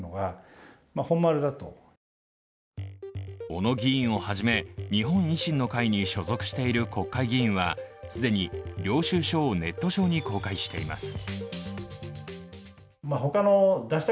小野議員をはじめ、日本維新の会に所属している国会議員は既に領収書をネット上に公開しています。